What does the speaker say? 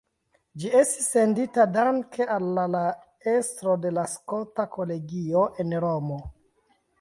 Ĝi estis sendita danke al la estro de la Skota Kolegio en Romo.